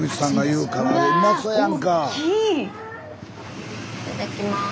いただきます。